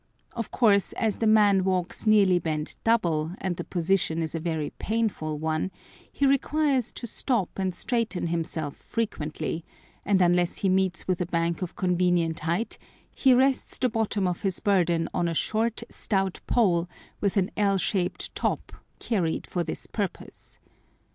Of course, as the man walks nearly bent double, and the position is a very painful one, he requires to stop and straighten himself frequently, and unless he meets with a bank of convenient height, he rests the bottom of his burden on a short, stout pole with an L shaped top, carried for this purpose.